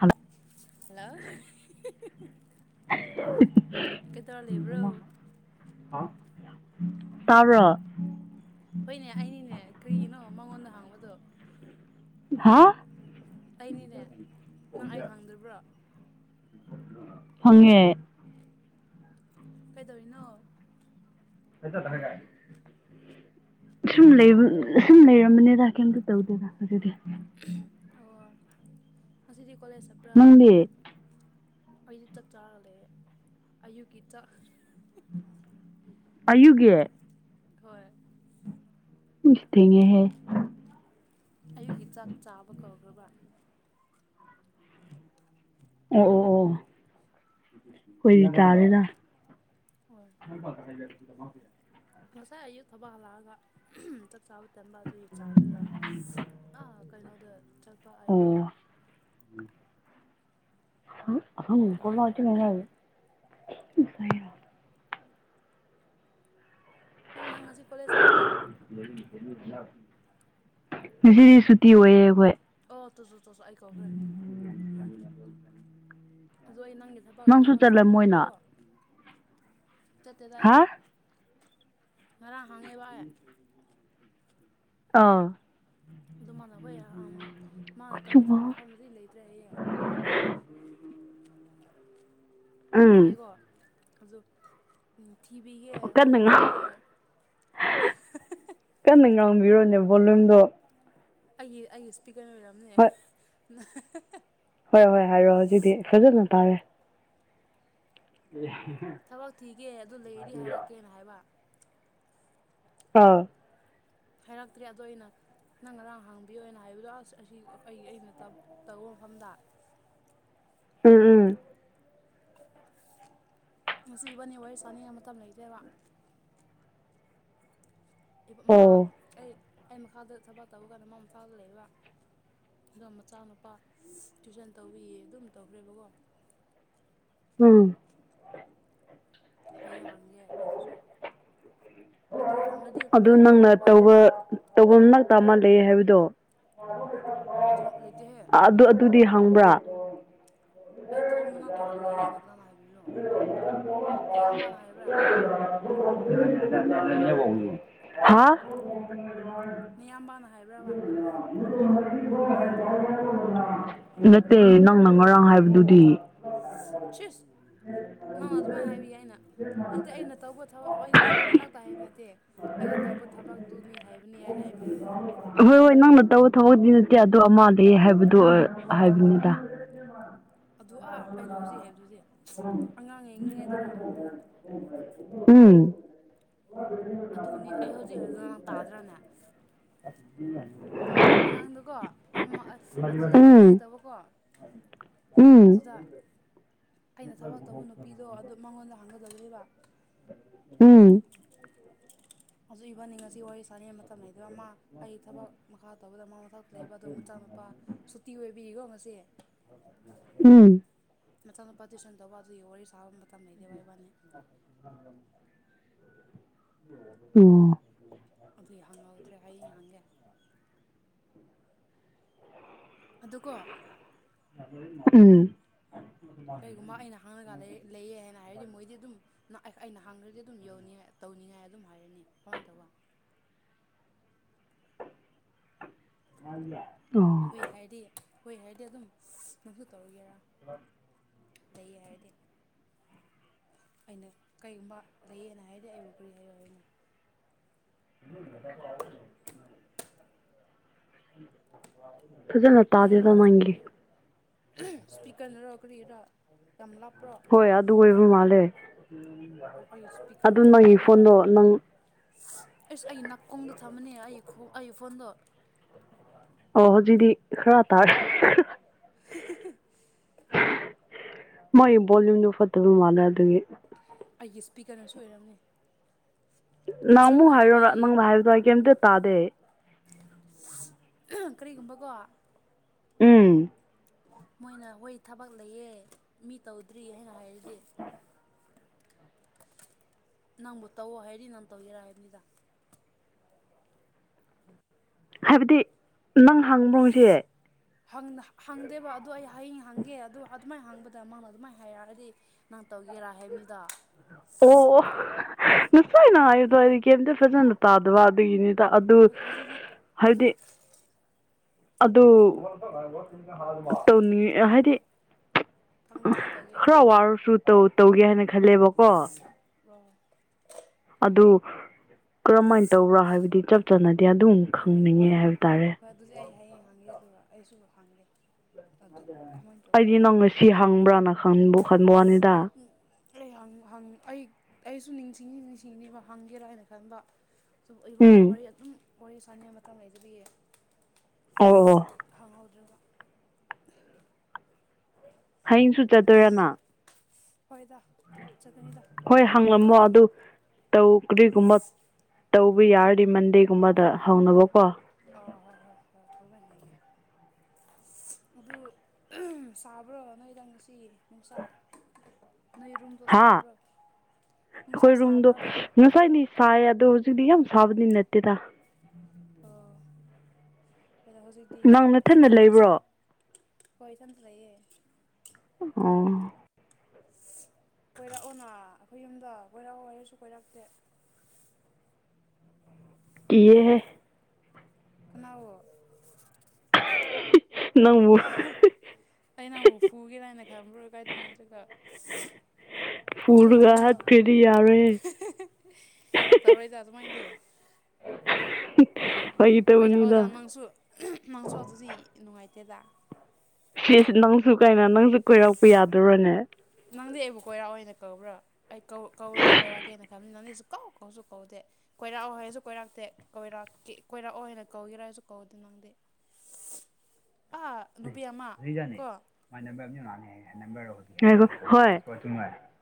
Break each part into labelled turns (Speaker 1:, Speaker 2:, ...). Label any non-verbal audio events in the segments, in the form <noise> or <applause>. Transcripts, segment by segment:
Speaker 1: hello
Speaker 2: hello ꯀꯩꯗꯧꯔꯥ ꯂꯩꯕ꯭ꯔꯣ
Speaker 1: ꯇꯕꯔꯣ
Speaker 2: ꯍꯣꯏꯅꯦ ꯑꯩꯅꯤꯅꯦ ꯀꯔꯤꯒꯤꯅꯣ ꯃꯉꯣꯟꯗ ꯍꯥꯡꯕꯗꯣ
Speaker 1: ꯍꯥꯥ
Speaker 2: ꯑꯩꯅꯤꯅꯦ ꯅꯪ ꯑꯩ ꯈꯪꯗ꯭ꯔꯤꯕ꯭ꯔꯣ
Speaker 1: ꯐꯪꯉꯦ
Speaker 2: ꯀꯩꯗꯧꯔꯤꯅꯣ
Speaker 1: <inaudible> ꯁꯨꯝ ꯂꯩ ꯁꯨꯝ ꯂꯩꯔꯝꯕꯅꯦꯗ ꯀꯩꯝꯇ ꯇꯧꯗꯦꯗ ꯑꯗꯨꯗꯤ
Speaker 2: ꯑꯣ ꯉꯁꯤꯗꯤ ꯀꯣꯂꯦꯖ ꯆꯠꯄ꯭ꯔꯥ ꯅꯪꯗꯤ ꯑꯩꯗꯤ ꯆꯥꯛ ꯆꯥꯔꯂ ꯑꯌꯨꯛꯀꯤ ꯆꯥꯛ
Speaker 1: ꯑꯌꯨꯒꯤ
Speaker 2: ꯍꯣꯏ
Speaker 1: ꯏꯁ ꯊꯦꯡꯉꯦ ꯍꯦ
Speaker 2: ꯑꯌꯨꯛꯒꯤ ꯆꯥꯛ ꯆꯥꯕ ꯀꯧꯈ꯭ꯔꯕ꯭ꯔꯥ
Speaker 1: ꯑꯣ ꯑꯣ ꯑꯣ ꯑꯣ ꯍꯨꯏ ꯇꯥꯔꯦꯗ
Speaker 2: ꯎꯝ
Speaker 1: <unintelligible>
Speaker 2: ꯉꯁꯥꯏ ꯑꯌꯨꯛ ꯊꯕꯛ ꯍꯜꯂꯛꯑꯒ ꯆꯥꯛ ꯆꯥꯕ ꯇꯟꯝꯕ ꯑꯗꯨꯒꯤ ꯆꯥꯗꯨꯒ ꯑꯥ ꯀꯩꯅꯣꯗ ꯆꯠꯄ ꯍꯥꯏ
Speaker 1: ꯑꯣ ꯑ
Speaker 2: ꯑꯗꯨ
Speaker 1: ꯃꯄꯇ
Speaker 2: ꯍꯜꯂꯛꯄꯗ
Speaker 1: ꯃꯉꯦ
Speaker 2: ꯅꯪ ꯅꯪ ꯉꯁꯤ ꯀꯣꯂꯦꯖ ꯆꯠꯄ꯭ꯔꯣ
Speaker 1: ꯖꯤꯗꯤ ꯁꯨꯇꯤ ꯑꯣꯏꯌꯦ ꯑꯩꯈꯣꯏ
Speaker 2: ꯑꯥ ꯇꯁꯨ ꯇꯁꯨ ꯑꯩꯥꯏꯀꯥꯎꯈ꯭ꯔꯦ ꯑꯗꯣ ꯑꯩ ꯅꯪꯒꯤ ꯊꯕꯛ
Speaker 1: ꯅꯪꯁꯨ
Speaker 2: ꯀꯩꯅꯣꯗ
Speaker 1: ꯆꯠꯂꯝꯃꯣꯏꯅ
Speaker 2: ꯍꯪꯉꯨꯅꯦꯕꯀꯣ ꯆꯠꯇꯦꯗ
Speaker 1: ꯍꯥ
Speaker 2: ꯑꯩꯗꯤ ꯉꯔꯥꯡ ꯍꯥꯡꯉꯦꯕ
Speaker 1: ꯑꯥ
Speaker 2: ꯑꯗꯨ ꯃꯥꯅ ꯍꯣꯏ ꯃꯥꯅ ꯇꯧꯕ ꯃꯐꯝꯗꯤ ꯂꯩꯇ꯭ꯔꯦ ꯑꯩꯌꯦ
Speaker 1: ꯎꯝ
Speaker 2: ꯇꯥꯏꯀꯣ ꯑꯗꯨ ꯎ ꯊꯤꯕꯤꯒꯦ ꯍꯣꯏ
Speaker 1: ꯀꯟꯅ ꯉꯥꯡ
Speaker 2: ꯊꯤꯒꯦ
Speaker 1: ꯀꯟꯅ ꯉꯥꯡꯕꯤꯔꯣꯅꯦ ꯚꯣꯂꯨꯝꯗꯣ
Speaker 2: ꯑꯩꯒꯤ ꯑꯩꯒꯤ ꯏꯁꯄꯤꯀꯔ ꯑꯣꯏꯔꯝꯅꯦ
Speaker 1: ꯍꯣꯏ ꯍꯣꯏ ꯍꯣꯏ ꯍꯥꯏꯔꯣꯑꯣ ꯑꯗꯨꯖꯤꯗꯤ ꯐꯖꯅ ꯇꯥꯔꯦ <unintelligible>
Speaker 2: ꯊꯕꯛ ꯊꯤꯒꯦ ꯑꯗꯨ ꯂꯩꯔꯤ ꯍꯥꯏꯔꯛꯀꯦꯅ ꯍꯥꯏꯕ
Speaker 1: ꯑꯥ
Speaker 2: ꯍꯥꯏꯔꯛꯇ꯭ꯔꯦ ꯑꯗꯣ ꯑꯩꯅ ꯅꯪ ꯉꯔꯥꯡ ꯍꯥꯡꯕꯤꯌꯣꯅ ꯍꯥꯏꯕꯗꯣ ꯑꯁ ꯑꯁꯤ ꯑꯩ ꯑꯩꯅ ꯇꯧꯕ ꯃꯐꯝꯗ
Speaker 1: ꯎꯝ ꯎꯝ
Speaker 2: ꯉꯁꯤꯕꯅꯤ ꯋꯥꯔꯤ ꯆꯥꯅꯤꯡꯉ ꯃꯇꯝ ꯂꯩꯇꯦꯕ ꯃꯥ
Speaker 1: ꯑꯣ
Speaker 2: ꯑꯩ ꯑꯩ ꯃꯈꯥꯗ ꯊꯕꯛ ꯇꯧꯕ ꯀꯥꯟꯗ ꯃꯥ ꯃꯈꯥꯗ ꯂꯩꯕ ꯑꯗꯨꯒ ꯃꯆꯥ ꯃꯨꯄꯥ ꯇ꯭ꯋꯏꯁꯟ ꯇꯧꯕꯤꯌꯦ ꯑꯗꯨꯝ ꯇꯧꯈ꯭ꯔꯦꯕꯀꯣ
Speaker 1: ꯎꯝ
Speaker 2: ꯍꯌꯦꯡ ꯍꯪꯒꯦ ꯑꯗꯨꯁꯨ ꯑꯗꯨ ꯍꯪꯉꯗꯤ
Speaker 1: ꯑꯗꯨ
Speaker 2: ꯀꯩꯒꯨꯝꯕ
Speaker 1: ꯅꯪꯅ
Speaker 2: ꯊꯕꯛ ꯂꯩ
Speaker 1: ꯇꯧꯕ ꯇꯧꯐꯝꯃꯛꯇ ꯑꯃꯥ ꯂꯩꯌꯦ ꯍꯥꯏꯕꯗꯣ
Speaker 2: ꯑꯗꯨꯝ ꯂꯩꯇꯦꯍꯦ
Speaker 1: ꯑꯗꯨ ꯑꯗꯨꯗꯤ ꯍꯪꯕ꯭ꯔꯥ
Speaker 2: ꯑꯩ ꯇꯧ ꯃꯅꯥꯛꯇ ꯂꯩꯌꯦꯅ ꯀꯅꯥꯅ ꯍꯥꯏꯕꯤꯕꯅꯣ ꯃꯌꯥꯝꯕꯅ ꯍꯥꯏꯕ꯭ꯔꯥ
Speaker 1: <inaudible> ꯍꯥ
Speaker 2: ꯅꯌꯥꯝꯕꯅ ꯍꯥꯏꯕ꯭ꯔꯕ
Speaker 1: ꯅꯠꯇꯦ ꯅꯪꯅ ꯉꯔꯥꯡ ꯍꯥꯏꯕꯗꯨꯗꯤ
Speaker 2: ꯁꯤꯁ ꯅꯪ ꯑꯗꯨꯃꯥꯏꯅ ꯍꯥꯏꯕꯤꯌꯨ ꯑꯩꯅ ꯍꯥꯏꯗꯤ ꯑꯩꯅ ꯇꯧꯕ ꯊꯕꯛ ꯑ ꯇꯧꯕ ꯃꯅꯥꯛꯇ ꯍꯥꯏꯕ ꯅꯠꯇꯦ ꯑꯩꯅ ꯇꯧꯕ ꯊꯕꯛꯇꯨꯅꯤ ꯍꯥꯏꯕꯅꯤ ꯍꯥꯏꯅ ꯍꯥꯏꯕꯤꯕ
Speaker 1: ꯍꯣꯏ ꯍꯣꯏ ꯅꯪꯅ ꯇꯧꯕ ꯊꯕꯛꯇꯤ ꯅꯠꯇꯦ ꯑꯗꯣ ꯑꯃꯗꯩ ꯍꯥꯏꯕꯗꯣ ꯍꯥꯏꯕꯅꯤꯗ <inaudible>
Speaker 2: ꯑꯗꯨ ꯑꯥ ꯑꯩꯅ ꯍꯧꯖꯤꯛ ꯍꯥꯏꯕꯗꯨꯗꯤ ꯑꯉꯥꯡ ꯌꯦꯡꯅꯤꯡꯉꯦꯗꯨꯔ
Speaker 1: ꯎꯝ
Speaker 2: ꯑꯗꯨꯅꯤ ꯑꯩ ꯍꯧꯖꯤꯛ ꯍꯧ ꯉꯔꯥꯡ ꯇꯥꯗ꯭ꯔꯥꯅꯦ ꯑꯉꯥꯡꯗꯨꯀꯣ ꯑꯁ ꯑꯗꯨꯗ ꯍꯪꯅꯤꯉꯦ
Speaker 1: ꯎꯝ
Speaker 2: ꯇꯧꯕꯀꯣ
Speaker 1: ꯎꯝ
Speaker 2: ꯑꯗꯨꯗ ꯑꯩꯅ ꯊꯕꯛ ꯇꯧꯕ ꯅꯨꯄꯤꯗꯣ ꯑꯗꯨ ꯃꯉꯣꯟꯗ ꯍꯥꯡꯒꯗꯕꯅꯦꯕ
Speaker 1: ꯎꯝ
Speaker 2: ꯑꯗꯨ ꯏꯕꯟꯅꯤ ꯉꯁꯤ ꯋꯥꯔꯤ ꯁꯥꯅꯤꯡꯉꯩ ꯃꯇꯝ ꯂꯩꯇꯦ ꯃꯥ ꯑꯩ ꯊꯕꯛ ꯃꯈꯥ ꯇꯧꯕꯗ ꯑꯃ ꯃꯊ ꯂꯩꯕ ꯑꯗꯨ ꯃꯆꯥ ꯃꯄꯥ ꯁꯨꯇꯤ ꯑꯣꯏꯕꯒꯤꯀꯣ ꯉꯁꯤ
Speaker 1: ꯎꯝ
Speaker 2: ꯃꯆꯥ ꯅꯨꯄꯥ ꯇꯨꯏꯁꯟ ꯇꯧꯕ ꯑꯗꯨꯒꯤ ꯋꯥꯔꯤ ꯁꯥꯕ ꯃꯇꯝ ꯂꯩꯇꯦꯕ ꯏꯕꯥꯅꯤ
Speaker 1: ꯎꯝ ꯑꯣ
Speaker 2: ꯑꯗꯨꯏ ꯍꯪꯍꯧꯗ꯭ꯔꯦ ꯍꯌꯦꯡ ꯍꯪꯒꯦ ꯑꯗꯨꯀꯣ
Speaker 1: ꯎꯝ
Speaker 2: ꯀꯩꯒꯨꯝꯕ ꯑꯩꯅ ꯍꯥꯡꯉꯒ ꯂꯩꯌꯦ ꯍꯥꯏꯅ ꯍꯥꯏꯔꯗꯤ ꯃꯣꯏꯗꯤ ꯑꯗꯨꯝ ꯑꯩꯅ ꯍꯪꯈ꯭ꯔꯗꯤ ꯑꯗꯨꯝ ꯌꯧꯅꯤꯡꯉ ꯇꯧꯅꯤꯡꯉꯥꯏ ꯑꯗꯨꯝ ꯍꯥꯏꯔꯅꯤ ꯀꯃꯥꯏꯅ ꯇꯧꯕ
Speaker 1: ꯑꯣ
Speaker 2: ꯍꯣꯏ ꯍꯥꯏꯗꯤ ꯍꯣꯏ ꯍꯥꯏꯗꯤ ꯑꯗꯨꯝ ꯅꯪꯁꯨ ꯇꯧꯔꯒꯦꯔꯥ
Speaker 1: <inaudible>
Speaker 2: ꯂꯩꯌꯦ ꯍꯥꯏꯔꯗꯤ ꯑꯩꯅ ꯀꯔꯤꯒꯨꯝꯕ ꯂꯩꯌꯦꯅ ꯍꯥꯏꯗꯤ ꯑꯩꯕꯨ ꯀꯔꯤ ꯍꯥꯏꯌꯣ ꯍꯥꯏꯅꯣ <inaudible>
Speaker 1: ꯐꯖꯅ ꯇꯥꯗꯦꯗ ꯅꯪꯒꯤ
Speaker 2: ꯏꯁꯄꯤꯀꯔꯅꯔꯣ ꯀꯔꯤꯔꯥ ꯌꯥꯝ ꯂꯥꯞꯄ꯭ꯔꯣ
Speaker 1: ꯍꯣꯏ ꯑꯗꯨ ꯑꯣꯏꯕ ꯃꯥꯜꯂꯦ
Speaker 2: ꯑꯣ ꯑꯩ
Speaker 1: ꯑꯗꯨ ꯅꯪꯒꯤ ꯐꯣꯟꯗꯣ ꯅꯪ
Speaker 2: ꯑꯦꯁ ꯑꯩ ꯅꯥꯀꯣꯡꯗ ꯊꯝꯃꯅꯦ ꯑꯩꯈꯣꯡ ꯑꯩꯒꯤ ꯐꯣꯟꯗꯣ
Speaker 1: ꯑꯣ ꯍꯨꯖꯤꯛꯗꯤ ꯈꯔ ꯇꯥꯔꯦ
Speaker 2: <inaudible>
Speaker 1: ꯃꯣꯏ ꯚꯣꯜꯂꯨꯝꯗꯨ ꯐꯠꯇꯕ ꯃꯥꯜꯂꯦ ꯑꯗꯨꯒꯤ
Speaker 2: ꯑꯩꯒꯤ ꯏꯁꯄꯤꯀꯔꯅꯁꯨ ꯑꯣꯏꯔꯝꯅꯤ ꯃꯤꯁꯨ
Speaker 1: ꯅꯪꯃꯨ
Speaker 2: ꯑꯗꯨꯃꯥꯏꯅ
Speaker 1: ꯍꯥꯏꯔꯣ
Speaker 2: ꯍꯥꯏꯕꯅꯦ ꯑꯩꯒꯤ
Speaker 1: ꯅꯪꯅ ꯍꯥꯏꯕ ꯇ ꯀꯩꯝꯇ ꯇꯥꯗꯦ
Speaker 2: ꯀꯔꯤꯒꯨꯝꯕꯀꯣ
Speaker 1: ꯎꯝ
Speaker 2: ꯃꯣꯏꯅ ꯍꯣꯏ ꯊꯕꯛ ꯂꯩꯌꯦ ꯃꯤ ꯇꯧꯗ꯭ꯔꯤ ꯍꯥꯏꯅ ꯍꯥꯏꯔꯗꯤ ꯅꯪꯕꯨ ꯇꯧꯑꯣ ꯍꯥꯏꯗꯤ ꯅꯪ ꯇꯧꯒꯦꯔꯥ ꯍꯥꯏꯕꯅꯤꯗ
Speaker 1: ꯍꯥꯏꯕꯗꯤ ꯅꯪ ꯍꯥꯡꯕ꯭ꯔꯣ ꯉꯁꯤ
Speaker 2: ꯍꯪ ꯍꯪꯗꯦꯕ ꯑꯗꯣ ꯑꯩ ꯍꯌꯦꯡ ꯍꯪꯒꯦ ꯑꯗꯣ ꯑꯗꯨꯃꯥꯏꯅ ꯍꯪꯕꯗ ꯃꯥꯅ ꯑꯗꯨꯃꯥꯏꯅ ꯍꯥꯏꯔꯛꯑꯗꯤ ꯅꯪ ꯇꯧꯒꯦꯔꯥ ꯍꯥꯏꯕꯅꯤꯗꯣ
Speaker 1: ꯑꯣ ꯅꯁꯥꯏꯅ ꯍꯥꯏꯗꯋꯥꯗꯤ ꯀꯩꯝꯇ ꯐꯖꯅ ꯇꯥꯗꯕ ꯑꯗꯨꯒꯤꯅꯤ ꯑꯗꯨ
Speaker 2: ꯍꯧꯖꯤꯛꯇꯤ
Speaker 1: ꯍꯥꯏꯕꯗꯤ ꯑꯗꯨ ꯇꯧꯅꯤꯡ ꯍꯥꯏꯗꯤ
Speaker 2: ꯐꯪꯗ꯭ꯔꯗꯤ ꯐꯪꯗ꯭ꯔꯗꯤ ꯇꯧꯒꯦꯕ
Speaker 1: ꯈꯔ ꯋꯥꯔꯁꯨ ꯇꯧꯒꯦ ꯍꯥꯏꯅ ꯈꯜꯂꯦꯕꯀꯣ
Speaker 2: ꯑꯣ
Speaker 1: ꯑꯗꯨ ꯀꯔꯝꯍꯥꯏꯅ ꯇꯧꯕ꯭ꯔꯥ ꯍꯥꯏꯕꯗꯤ ꯏꯆꯝ ꯆꯥꯅꯗꯤ ꯑꯗꯨꯝ
Speaker 2: ꯍꯣꯏ ꯍꯣꯏ
Speaker 1: ꯈꯪꯅꯤꯡꯉꯦ
Speaker 2: ꯍꯣꯏ
Speaker 1: ꯍꯥꯏꯕ ꯇꯥꯔꯦ
Speaker 2: ꯍꯣꯏ ꯑꯗꯨꯗꯤ ꯑꯩ ꯍꯌꯦꯡ ꯍꯪꯒꯦ ꯑꯗꯨꯒ ꯑꯩꯁꯨ ꯍꯪꯒꯦ ꯑꯗꯨ ꯀꯃꯥꯏꯅ ꯇꯧꯕ꯭ꯔꯥ
Speaker 1: ꯑꯩꯗꯤ ꯅꯪ ꯉꯁꯤ
Speaker 2: ꯑꯗꯨꯒꯨꯝꯕꯗꯣꯀꯣ
Speaker 1: ꯍꯪꯕ꯭ꯔꯥꯅꯕ ꯈꯟꯕꯨ ꯈꯟꯕ ꯋꯥꯅꯤꯗ
Speaker 2: ꯑꯩ ꯍꯪ ꯍꯪ ꯑꯩ ꯑꯩꯁꯨ ꯅꯤꯡꯁꯤꯡꯉ ꯅꯤꯡꯁꯤꯡꯅꯤꯕ ꯍꯪꯒꯦꯔꯥ ꯍꯥꯏꯅ ꯈꯟꯕ ꯁꯨꯝ ꯏꯕꯅꯤ
Speaker 1: ꯎꯝ
Speaker 2: ꯋꯥꯔꯤ ꯑꯗꯨꯝ ꯋꯥꯔꯤ ꯁꯥꯥꯟꯅꯤꯡꯉꯥꯏ ꯃꯇꯝ ꯂꯩꯇꯕꯤ
Speaker 1: ꯑꯣ ꯑꯣ
Speaker 2: ꯍꯪꯍꯧꯗ꯭ꯔꯒ
Speaker 1: ꯍꯌꯦꯡꯁꯨ ꯆꯠꯇꯣꯏꯔꯅ
Speaker 2: ꯍꯣꯏꯗ ꯑꯗꯨꯝꯅꯆꯒꯅꯤꯗ
Speaker 1: ꯍꯣꯏ ꯍꯪꯂꯝꯃꯣ ꯑꯗꯨ ꯇꯧ ꯀꯔꯤꯒꯨꯝꯕ ꯇꯧꯕ ꯌꯥꯔꯗꯤ ꯃꯟꯗꯦꯒꯨꯝꯕꯗ ꯍꯧꯅꯕꯀꯣ
Speaker 2: ꯑꯣ ꯍꯣꯏ ꯍꯣꯏ ꯍꯣꯏꯣꯏ ꯈꯪꯖ ꯍꯥꯏꯒꯦ ꯑꯗꯨ ꯁꯥꯕ꯭ꯔꯣ ꯅꯣꯏꯗꯪ ꯉꯁꯤ ꯅꯨꯡꯁꯥ ꯅꯣꯏ ꯔꯨꯝ ꯣ
Speaker 1: ꯍꯥ
Speaker 2: ꯁꯥꯕ꯭ꯔꯥ ꯨꯝꯁꯥ ꯁꯥꯕ꯭ꯔꯕ
Speaker 1: ꯉꯁꯥꯏꯅꯤꯁ ꯑꯗꯨꯣ ꯍꯧꯖꯤꯛꯗꯤ ꯌꯥꯝ ꯁꯥꯕꯗꯤ ꯅꯠꯇꯦꯗ
Speaker 2: ꯑꯣ ꯑꯗꯣ ꯍꯧꯖꯤꯛꯇꯤ
Speaker 1: ꯅꯪ
Speaker 2: ꯍꯣꯏ ꯁꯥ
Speaker 1: ꯅꯊꯟꯗ
Speaker 2: ꯏ
Speaker 1: ꯂꯩꯕ꯭ꯔꯣ
Speaker 2: ꯍꯣꯏ ꯏ ꯆꯗ ꯂꯩꯌꯦꯦ
Speaker 1: ꯎꯝ
Speaker 2: ꯀꯣꯏꯔꯛꯑꯣꯅ ꯑꯩꯈꯣꯏ ꯌꯨꯝꯗ ꯀꯣꯏꯔꯛꯑꯣ ꯍꯥꯏꯔꯁꯨ ꯀꯣꯏꯔꯛꯇꯦ
Speaker 1: ꯀ ꯍꯥꯏꯦ
Speaker 2: ꯀꯅꯥꯋꯣ
Speaker 1: ꯅꯪꯕꯨ
Speaker 2: ꯑꯩꯅ ꯑꯃꯨꯛ ꯐꯨꯒꯦꯔ ꯍꯥꯏꯅ ꯈꯟꯕ꯭ꯔ ꯀꯥꯏ ꯅꯠꯇ꯭ꯔꯒ
Speaker 1: ꯐꯨꯔꯒ
Speaker 2: ꯏꯩꯒꯤꯅꯣ
Speaker 1: ꯍꯥꯠꯈ꯭ꯔꯗꯤ ꯌꯥꯔꯣꯏꯍꯦ
Speaker 2: ꯇꯧꯔꯛꯏꯗ ꯑꯗꯨꯃꯥꯏꯅꯗꯤ
Speaker 1: <unintelligible> ꯐꯥꯒꯤ ꯇꯧꯕꯅꯤꯗ
Speaker 2: ꯀꯣꯏꯔꯛꯑꯣꯗ ꯅꯪꯁꯨ ꯅꯪꯁꯨ ꯑꯗꯨꯗꯤ ꯅꯨꯡꯉꯥꯏꯇꯦꯗ
Speaker 1: ꯁꯤꯁ ꯅꯪꯁꯨ ꯀꯥꯏꯅ ꯅꯪꯁꯨ ꯀꯣꯏꯔꯛꯄ ꯌꯥꯗꯔꯣꯅꯦ
Speaker 2: ꯅꯪꯗꯤ ꯑꯩꯕꯨ ꯀꯣꯏꯔꯥꯛꯑꯣꯏꯅ ꯀꯧꯕ꯭ꯔꯥ ꯑꯩꯧ ꯀꯧꯔꯗꯤ ꯀꯣꯏꯔꯛꯀꯦꯅ ꯈꯕ ꯅꯪꯅꯁꯨ ꯀꯧ ꯀꯧꯁꯨ ꯀꯧꯗꯦ ꯀꯣꯏꯔꯥꯛꯑꯣ ꯍꯥꯏꯁꯨ ꯀꯣꯏꯔꯥꯛꯇꯦ ꯀꯣꯏꯔꯥꯛꯦ ꯀꯣꯏꯔꯥꯛꯑꯣ ꯍꯥꯏꯅ ꯀꯧꯒꯔꯥ ꯍꯥꯏꯁꯨ ꯀꯧꯗꯦ ꯅꯪꯗꯤ
Speaker 1: <unintelligible>
Speaker 2: ꯑꯥ ꯅꯨꯄꯤ ꯑꯃ ꯀꯣ
Speaker 1: ꯅꯔꯣꯏ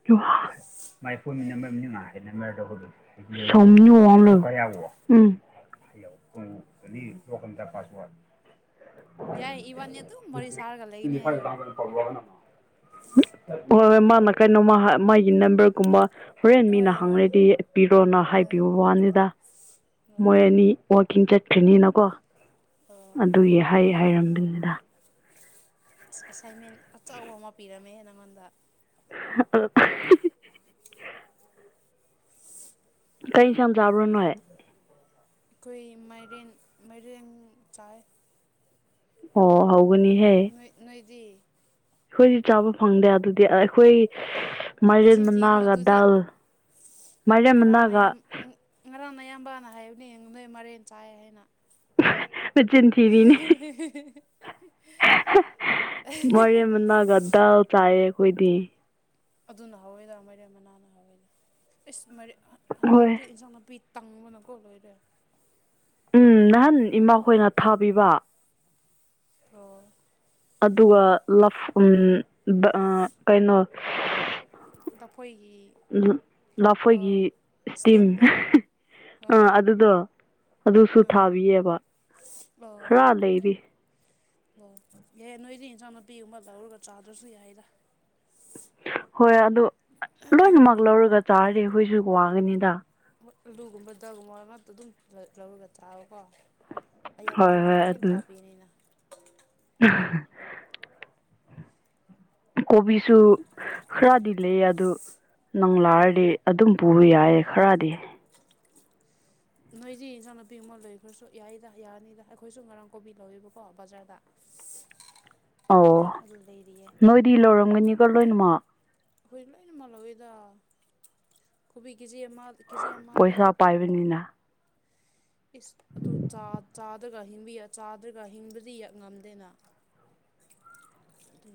Speaker 1: ꯃꯥꯏ ꯐꯣꯟꯃꯤꯝꯕꯔ ꯁ ꯑꯣ ꯑꯃ ꯂ ꯎꯝ ꯂꯣꯈꯟꯗ ꯄꯥꯁꯋꯥꯔ
Speaker 2: ꯌꯥꯏ ꯏꯕꯅꯤ ꯑꯗꯨ ꯃꯔꯤ ꯁꯥꯔꯒ ꯂꯩꯒꯅꯤ ꯍꯥꯏꯌꯣ
Speaker 1: ꯍꯣꯏ ꯍꯣꯏ ꯃꯥꯅ ꯀꯩꯅꯣ ꯃꯥ ꯃꯥꯒꯤ ꯅꯝꯕꯔꯒꯨꯝꯕ ꯍꯣꯔꯦꯟ ꯃꯤꯅ
Speaker 2: ꯍꯣꯏ ꯍꯣꯏ
Speaker 1: ꯍꯪꯅꯗꯤꯄꯤꯔꯣꯅ
Speaker 2: ꯑꯥ
Speaker 1: ꯍꯥꯏꯕꯤꯌꯨ ꯋꯥꯕꯥꯅꯤꯗ
Speaker 2: ꯍꯣꯏ
Speaker 1: ꯃꯣꯏ ꯑꯅꯤ ꯋꯥꯋꯥꯛꯀꯤꯡ ꯆꯠꯈ꯭ꯅꯤꯅ ꯀꯣ
Speaker 2: ꯑꯣ
Speaker 1: ꯑꯗꯨꯒꯤ ꯍꯥꯏ ꯍꯥꯏꯔꯝꯗꯅꯤꯗ
Speaker 2: ꯑꯦꯁꯥꯏꯟꯃꯦꯟ ꯑꯆꯕ ꯑꯃ ꯄꯤꯔꯝꯃꯦ ꯅꯪꯉꯣꯟꯗ
Speaker 1: <unintelligible> ꯀꯩ ꯏꯟꯁꯥꯡ ꯆꯥꯕ꯭ꯔꯣ ꯅꯣꯏ
Speaker 2: ꯑꯩꯈꯣꯏ ꯃꯥꯏꯔꯦꯟ ꯃꯥꯏꯔꯦꯟ ꯆꯥꯏꯌꯦ
Speaker 1: ꯑꯣ ꯍꯥꯎꯕꯅꯤꯍꯦ
Speaker 2: ꯍꯣꯏ ꯅꯣꯏꯗꯤ
Speaker 1: ꯑꯩꯈꯣꯏꯗꯤ ꯆꯥꯕ ꯐꯪꯗꯦ ꯑꯗꯨꯗꯤ ꯑ ꯑꯩꯈꯣꯏ ꯃꯥꯏꯔꯦꯟ
Speaker 2: ꯅꯆꯤꯟ ꯊꯤꯒꯅꯨ
Speaker 1: ꯃꯅꯥꯒ
Speaker 2: ꯑꯗꯨꯗꯤ
Speaker 1: ꯗꯥꯜ ꯃꯥꯏꯔꯦꯟ
Speaker 2: ꯉꯔꯥꯡ
Speaker 1: ꯃꯅꯥꯒ
Speaker 2: ꯅꯌꯥꯝ ꯉꯔꯥꯡ ꯑꯌꯥꯝꯕꯅ ꯍꯥꯏꯕꯅꯦ ꯅꯣꯏ ꯃꯔꯦꯟ ꯆꯥꯏ ꯍꯥꯏꯅ
Speaker 1: ꯁꯖꯦꯟ
Speaker 2: <unintelligible>
Speaker 1: ꯃꯣꯏ ꯃꯅꯒꯗ ꯆꯥꯏ ꯀꯣꯏꯗꯤ
Speaker 2: ꯑꯗꯨꯅ ꯍꯧꯋꯦꯗ ꯃꯔꯦ ꯃꯅꯥꯅ ꯍꯧꯋꯦꯗ ꯑꯁ
Speaker 1: ꯍꯣꯏ
Speaker 2: ꯍꯟꯗꯛꯇꯤ ꯏꯟꯁꯥꯡ ꯅꯥꯄꯤ ꯇꯪꯕꯅꯀꯣ ꯂꯣꯏꯔꯦ
Speaker 1: ꯎꯝ ꯅꯍꯥꯟ ꯏꯃꯥꯈꯣꯏꯅ ꯊꯥꯕꯤꯕ
Speaker 2: ꯑꯣ
Speaker 1: ꯑꯗꯨꯒ ꯎ ꯀꯩꯅꯣ
Speaker 2: ꯂꯐꯣꯏꯒꯤ
Speaker 1: ꯂꯐꯣꯏꯒꯤ
Speaker 2: ꯑꯥ
Speaker 1: ꯏꯁꯇꯤꯝ
Speaker 2: ꯏꯁꯇꯦꯝꯗꯣ ꯑꯥ
Speaker 1: ꯑ ꯑꯗꯨꯗꯣ ꯑꯗꯨꯁꯨ
Speaker 2: ꯎꯝ
Speaker 1: ꯊꯥꯕꯤꯌꯦꯕ
Speaker 2: ꯑꯣ
Speaker 1: ꯈꯔ ꯂꯩꯔꯤ
Speaker 2: ꯑꯣ ꯌꯥꯏꯌꯦ ꯅꯣꯏꯗꯤ ꯏꯟꯁꯥꯡ ꯅꯥꯄꯤꯒꯨꯝꯕ ꯂꯧꯔꯒ ꯆꯥꯗ꯭ꯔꯁꯨ ꯌꯥꯏꯗ
Speaker 1: ꯍꯣꯏ ꯑꯗꯨ ꯑ ꯂꯣꯏꯅꯃꯛ ꯂꯧꯔꯒ ꯆꯥꯔꯗꯤ ꯑꯩꯈꯣꯏꯁꯨ ꯋꯥꯡꯒꯅꯤꯗ
Speaker 2: ꯃꯣꯏ ꯑꯂꯨꯒꯨꯝꯕ ꯗꯒꯨꯝꯕ ꯉꯥꯛꯇ ꯑꯗꯨꯝ ꯂꯧꯔꯒ ꯆꯥꯕꯀꯣ ꯑꯩ
Speaker 1: ꯍꯣꯏ
Speaker 2: ꯑꯃꯗꯤ
Speaker 1: ꯍꯣꯏ
Speaker 2: ꯃꯣꯏꯟ ꯂꯣꯏ
Speaker 1: ꯑꯗꯨ
Speaker 2: ꯊꯥꯕꯤꯅꯤꯅ
Speaker 1: <inaudible> ꯀꯣꯕꯤꯁꯨ ꯈꯔꯗꯤ ꯂꯩ ꯑꯗꯨ ꯅꯪ
Speaker 2: ꯑꯣ
Speaker 1: ꯂꯥꯛꯑꯗꯤ ꯑꯗꯨꯝ ꯄꯨꯕ ꯌꯥꯏꯌꯦ ꯈꯔꯗꯤ
Speaker 2: ꯅꯣꯏꯗꯤ ꯏꯟꯁꯥꯡꯅ ꯅꯨꯄꯤ ꯑꯃ ꯂꯣꯏꯈ꯭ꯔꯁꯨ ꯌꯥꯏꯗ ꯌꯥꯔꯅꯤꯗ ꯑꯩꯈꯣꯏꯁꯨ ꯉꯔꯥꯡ ꯀꯣꯕꯤ ꯂꯧꯋꯦꯕꯀꯣ ꯕꯖꯥꯔꯗ
Speaker 1: ꯑꯣ
Speaker 2: ꯑꯗꯨ ꯂꯩꯔꯤꯌꯦ
Speaker 1: ꯅꯣꯏꯗꯤ ꯂꯧꯔꯝꯒꯅꯤꯒ ꯂꯣꯏꯅꯃꯛ
Speaker 2: ꯑꯩꯈꯣꯏ ꯂꯣꯏꯅꯃꯛ ꯂꯧꯋꯦꯗ ꯀꯣꯕꯤ ꯀꯦꯖꯤ ꯑꯃ ꯀꯦꯖꯤ ꯑꯃꯥꯗ
Speaker 1: ꯄꯩꯁꯥ
Speaker 2: ꯑꯣ
Speaker 1: ꯄꯥꯏꯕꯅꯤꯅ
Speaker 2: ꯏꯁ ꯑꯗꯨ ꯆꯥ ꯆꯥꯗꯒ ꯆꯥꯗ꯭ꯔꯒ ꯍꯤꯡꯕꯗꯤ ꯉꯝꯗꯦꯅ ꯑꯗꯨꯒꯤ <unintelligible>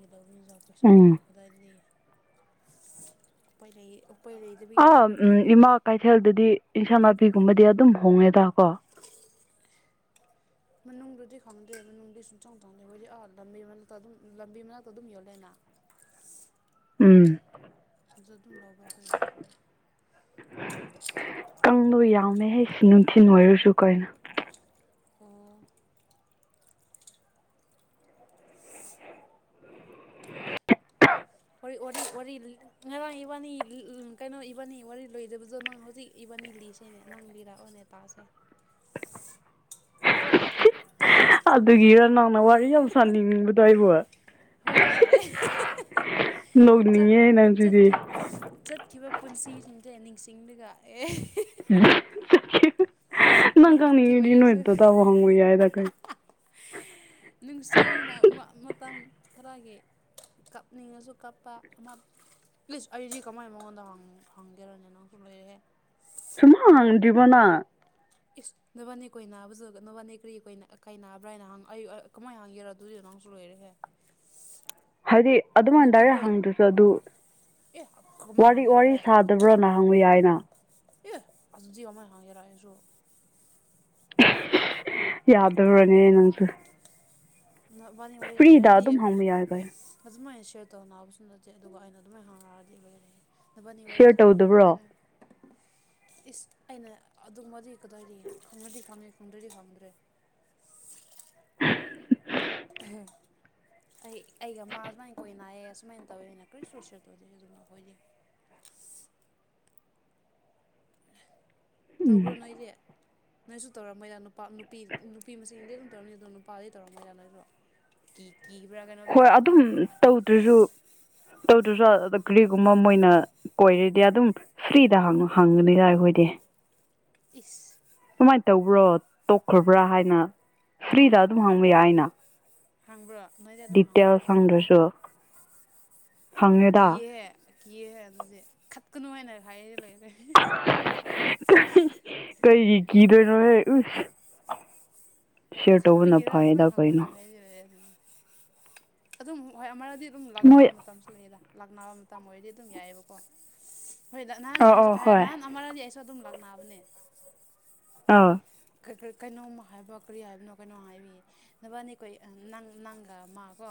Speaker 1: ꯎꯝ
Speaker 2: ꯎꯄꯥꯏ ꯂꯩ ꯑꯩꯈꯣꯏ
Speaker 1: ꯑꯥ
Speaker 2: ꯂꯩꯗꯕꯒꯤꯂꯧꯕꯅꯤꯗ
Speaker 1: ꯎꯝ
Speaker 2: ꯑꯩꯈꯣꯏꯗꯤ
Speaker 1: ꯏꯃꯥ ꯀꯩꯊꯦꯜꯗꯗꯤ ꯏꯟꯁꯥꯡ ꯅꯥꯄꯤꯒꯨꯝꯕꯗꯤ ꯑꯗꯨꯝ ꯍꯣꯡꯉꯦꯗ ꯀꯣ
Speaker 2: ꯃꯅꯨꯡꯗꯗꯨꯗꯤ ꯈꯪꯗꯦ ꯃꯅꯨꯡꯗꯗꯤ ꯁꯨꯡꯆꯪ ꯆꯪꯗꯦ ꯍꯣꯏꯖꯤꯛ ꯑꯥ ꯂꯝꯕꯤ ꯃꯅꯥꯛꯇ ꯑꯗꯨꯝ ꯂꯝꯕꯤ ꯃꯅꯥꯛꯇ ꯑꯗꯨꯝ ꯌꯣꯜꯂꯦꯅ
Speaker 1: ꯎꯝ
Speaker 2: ꯑꯗꯨ ꯑꯗꯨꯝ ꯂꯧꯕ ꯑꯩꯈꯣꯏꯒꯤ
Speaker 1: ꯀꯝꯃꯒ ꯌꯥꯝꯃꯦꯍꯩ ꯁꯤ ꯅꯨꯡꯊꯤꯜ ꯑꯣꯏꯔꯨꯁꯨ ꯀꯩꯅꯣ
Speaker 2: ꯑꯣ ꯐꯣꯔꯤ ꯑꯣ ꯋꯥꯔꯤ ꯉꯔꯥꯡ ꯏꯕꯥꯅꯤ ꯀꯩꯅꯣ ꯏꯕꯥꯅꯤ ꯋꯥꯔꯤ ꯂꯣꯏꯗꯕꯗꯣ ꯅꯪ ꯍꯧꯖꯤꯛ ꯏꯕꯥꯅꯤ ꯂꯤꯁꯦꯅꯦ ꯅꯪ ꯂꯤꯔꯛꯑꯣꯅꯦ ꯇꯥꯁꯦ ꯇꯍꯍ
Speaker 1: ꯑꯗꯨꯒꯤ ꯔ ꯅꯪꯅ ꯋꯥꯔꯤ ꯌꯥꯝ ꯁꯥꯅꯤꯡꯕꯗꯣ ꯑꯩꯕꯨ
Speaker 2: ꯍꯣꯏꯅꯦ ꯆꯠ
Speaker 1: ꯅꯣꯛꯅꯤꯡꯉꯦ ꯅꯪꯁꯤꯗꯤ
Speaker 2: ꯆꯠꯈꯤ ꯆꯠꯈꯤꯕ ꯄꯨꯟꯁꯤꯁꯤꯡꯁꯦ ꯅꯤꯡꯁꯤꯡꯂꯒ ꯑꯦ
Speaker 1: ꯆꯠꯈꯤꯕ ꯅꯪ ꯀꯪ
Speaker 2: ꯉꯥꯏꯍꯥꯛꯀꯤ ꯑꯣꯏꯔꯁꯨ
Speaker 1: <unintelligible>
Speaker 2: ꯅꯨꯡꯁꯤꯅ ꯃꯇꯝ ꯈꯔꯒꯤ ꯀꯞꯅꯤꯡꯉꯁꯨ ꯀꯞꯄ ꯑꯃ ꯄ꯭ꯂꯤꯁ ꯑꯩꯁꯤ ꯀꯃꯥꯏꯅ ꯃꯉꯣꯟꯗ ꯍꯪꯒꯦꯔꯅꯦ ꯅꯪꯁꯨ ꯂꯣꯏꯔꯦꯑꯦ
Speaker 1: ꯆꯨꯃ ꯍꯪꯗꯕꯅ
Speaker 2: ꯏꯁ ꯅꯕꯥꯅꯤ ꯀꯣꯏ ꯅꯥꯕꯁꯨ ꯅꯕꯥꯅꯤ ꯀꯔꯤ ꯀꯣꯏ ꯀꯥꯏ ꯅꯥꯕ꯭ꯔꯥ ꯍꯥꯏꯅ ꯍꯪꯉ ꯑꯩ ꯀꯃꯥꯏꯅ ꯍꯪꯉꯦꯔꯣ ꯑꯗꯨꯖ ꯅꯣꯡ ꯁꯂꯣꯏꯔꯦ
Speaker 1: <inaudible> ꯍꯥꯏꯗꯤ ꯑꯗꯨꯃꯥꯏꯅ ꯗꯥꯏꯔꯦꯛ
Speaker 2: ꯍꯣꯏ
Speaker 1: ꯍꯪꯗ꯭ꯔꯁꯨ ꯑꯗꯨ
Speaker 2: ꯑꯦ ꯀꯃꯥꯏ
Speaker 1: ꯋꯥꯔꯤ ꯋꯥꯔꯤ
Speaker 2: ꯍꯪꯒꯦꯔꯑꯦ
Speaker 1: ꯁꯥ ꯐꯠꯇꯕ꯭ꯔꯣ ꯅꯍꯪꯕ ꯌꯥꯏꯅ
Speaker 2: ꯑꯦ ꯑꯖꯤ ꯑꯣ ꯑꯃꯥꯏ ꯍꯥꯡꯉꯦꯔꯁꯨ
Speaker 1: ꯌꯥꯗꯔꯨꯔꯅꯦ ꯅꯪꯁꯨ
Speaker 2: ꯕꯅꯤ ꯋꯥꯔꯤ
Speaker 1: ꯐ꯭ꯔꯤꯗ
Speaker 2: ꯁꯥꯔꯗꯤ
Speaker 1: ꯑꯗꯨꯝ ꯍꯪꯕ ꯌꯥꯏ ꯀꯩꯅꯣ
Speaker 2: ꯑꯗꯨꯃꯥꯏꯅ ꯁꯦꯌꯔ ꯇꯧ ꯅꯥꯅꯕꯕꯁꯨ ꯅꯠꯇꯦ ꯑꯗꯨꯒ ꯑꯩꯅ ꯑꯗꯨꯃꯥꯏꯅ ꯍꯧꯔꯑꯗꯤ <unintelligible> ꯅꯕꯅꯤ ꯋꯥꯔꯤ
Speaker 1: ꯁꯤꯌꯔ
Speaker 2: ꯁꯥꯗ꯭ꯔꯣ
Speaker 1: ꯇꯧꯗꯕ꯭ꯔꯣ
Speaker 2: ꯍꯥꯏꯅ ꯏꯁ ꯑꯩꯅ ꯑꯗꯨꯃꯗꯤ ꯀꯗꯥꯏꯔꯤ ꯈꯪꯉꯗꯤ ꯈꯪꯉꯦ ꯈꯪꯗ꯭ꯔꯗꯤ ꯈꯪꯗ꯭ꯔꯦ ꯑꯍ ꯑꯩ ꯑꯩꯒ ꯃꯥ ꯁꯨꯃꯥꯏꯅ ꯀꯣꯏꯅꯏꯌꯦꯦ ꯑꯁꯨꯃꯥꯏꯅ ꯇꯧꯋꯦꯅ ꯀꯔꯤ ꯆꯨ ꯁꯦꯠꯇꯣꯗꯦ ꯑꯗꯨꯝ ꯑꯩꯈꯣꯏꯗꯤ
Speaker 1: ꯎꯝ
Speaker 2: ꯇꯧꯕ꯭ꯔꯣ ꯅꯣꯏꯗꯤ ꯅꯣꯏꯁꯨ ꯇꯧꯔꯝꯃꯣꯏꯗ ꯅꯨꯄꯥ ꯅꯨꯄꯤ ꯅꯨꯄꯤ ꯃꯁꯤꯡꯗꯤ ꯑꯗꯨꯝ ꯇꯧꯔꯝꯅꯤ ꯑꯗꯣ ꯅꯨꯄꯥꯗꯤ ꯇꯧꯔꯝꯃ ꯌꯥꯗ ꯅꯣꯏꯁꯨꯣ ꯀꯤ ꯀꯕ꯭ꯔꯥ ꯀꯩꯅꯣ
Speaker 1: ꯍꯣꯏ ꯑꯗꯨꯝ ꯇꯧꯗ꯭ꯔꯁꯨ ꯇꯧꯗ꯭ꯔꯁꯨ ꯀꯔꯤꯒꯨꯝꯕ ꯃꯣꯏꯅ ꯑꯣꯏꯔꯗꯤ ꯑꯗꯨꯝ ꯐ꯭ꯔꯤꯗ ꯍꯪꯉꯅꯤꯗꯏ ꯑꯩꯈꯣꯏꯗꯤ
Speaker 2: ꯏꯁ
Speaker 1: ꯀꯃꯥꯏꯅ ꯇꯧꯕ꯭ꯔꯣ ꯇꯣꯛꯈ꯭ꯔꯕ꯭ꯔꯥ ꯍꯥꯏꯅ ꯐ꯭ꯔꯤꯗ ꯑꯗꯨꯝ ꯍꯥꯡꯕ ꯌꯥꯏ ꯑꯅ
Speaker 2: ꯍꯥꯡꯕ꯭ꯔꯣ ꯅꯣꯏꯖꯗꯣ ꯍꯥꯡꯕ꯭ꯔꯥ
Speaker 1: ꯗꯁꯨ
Speaker 2: ꯀꯤꯑꯦ ꯀꯤꯑ ꯑꯗꯨꯗꯤ ꯈꯠꯀꯅꯨ ꯍꯥꯏꯅ ꯍꯥꯏꯔꯦ ꯂꯩꯔ
Speaker 1: ꯀꯩꯒꯤ ꯀꯤꯗꯅꯣ
Speaker 2: ꯈꯠꯄꯒꯤꯔꯥ
Speaker 1: ꯐꯩꯌꯦꯗ
Speaker 2: ꯑꯗꯨꯃꯥꯏꯅ ꯍꯥꯡꯕꯗꯣ
Speaker 1: ꯀꯩꯅꯣ
Speaker 2: ꯍꯥꯏꯖꯔꯦ ꯑꯗꯨꯅ ꯑꯗꯨꯝ ꯍꯣꯏ ꯑꯃꯔꯗꯤ ꯑꯗꯨꯝ
Speaker 1: ꯃꯣꯏ
Speaker 2: ꯂꯥꯛꯅꯕ ꯃꯇꯝꯁꯨ ꯂꯩꯌꯦꯗ ꯂꯥꯛꯅꯕ ꯃꯇꯝ ꯑꯣꯏꯔꯗꯤ ꯑꯗꯨꯝ ꯌꯥꯏꯑꯕꯀꯣ ꯍꯣꯏ ꯅꯍꯥꯟ
Speaker 1: ꯑꯥ ꯑꯥ ꯍꯣꯏ
Speaker 2: ꯅꯍꯥꯟ ꯑꯃꯥꯔꯗꯤ ꯑꯩꯁꯨ ꯑꯗꯨꯝ ꯂꯥꯛꯅꯕꯅꯦ
Speaker 1: ꯑꯥꯎ
Speaker 2: ꯔꯤ ꯀꯩꯅꯣꯝ ꯍꯥꯏꯕ ꯀꯔꯤ ꯍꯥꯏꯕꯅꯣ ꯀꯩꯅꯣꯝ ꯍꯥꯏꯕꯤꯌꯦ ꯅꯕꯥꯅꯤꯈꯣꯏ ꯅꯪꯒ ꯃꯥꯀꯣ